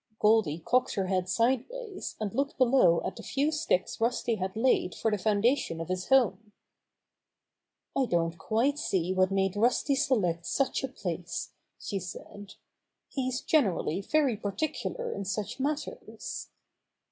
Goldy cocked her head sideways and looked below at the few sticks Rusty had laid for the foundation of his home. "I don't quite see what made Rusty select such a place," she said. "He's generally very particular in such matters."